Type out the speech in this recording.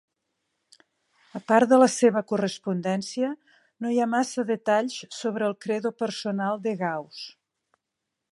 Apart de la seva correspondència, no hi ha massa detalls sobre el credo personal de Gauss.